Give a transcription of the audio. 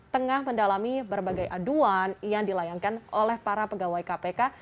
tengah mendalami berbagai aduan yang dilayangkan oleh para pegawai kpk